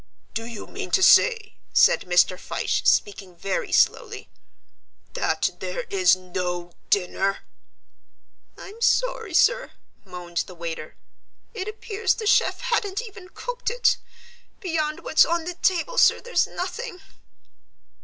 "Do you mean to say," said Mr. Fyshe, speaking very slowly, "that there is no dinner?" "I'm sorry, sir," moaned the waiter. "It appears the chef hadn't even cooked it. Beyond what's on the table, sir, there's nothing."